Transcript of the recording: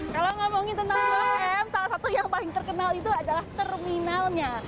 kalau ngomongin tentang rem salah satu yang paling terkenal itu adalah terminalnya